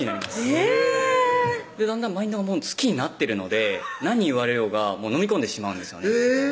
へぇだんだんマインドが好きになってるので何言われようがのみ込んでしまうんですよね